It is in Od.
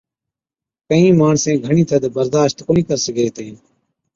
ڪهِين ماڻسين گھڻِي ٿڌ برداشت ڪونهِي ڪر سِگھي هِتين،